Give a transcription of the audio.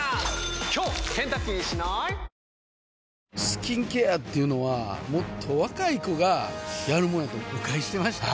スキンケアっていうのはもっと若い子がやるもんやと誤解してました